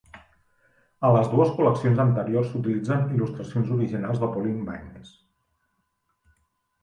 A les dues col·leccions anteriors s'utilitzen il·lustracions originals de Pauline Baynes.